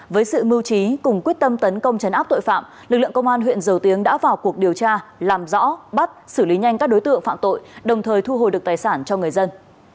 với sự mưu trí cùng quyết tâm tấn công chấn áp tội phạm lực lượng công an huyện dầu tiếng đã vào cuộc điều tra làm rõ bắt xử lý nhanh các đối tượng phạm tội đồng thời thu hồi được tài sản cho người dân